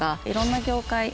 いろんな業界